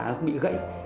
nó không bị gãy